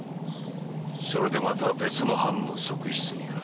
それでまた別の藩の側室にか？